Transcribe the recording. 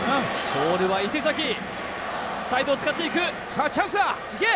ボールは伊勢崎サイドを使っていくさあチャンスだいけ！